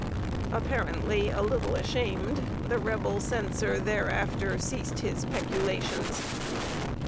Apparently a little ashamed, the Rebel censor thereafter ceased his peculations.